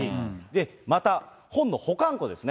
また本の保管庫ですね。